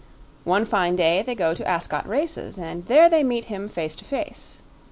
One fine day they go to Ascot Races, and there they meet him face to face.